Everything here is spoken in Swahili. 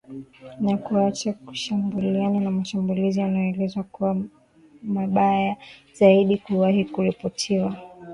na kuacha kushambulia na mashambulizi yanaoelezwa kuwa mabaya zaidi kuwahi kuripotiwa